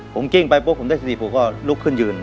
ผมกิ้งไปปุ๊บผมได้สนิทผมก็ลุกขึ้นยืน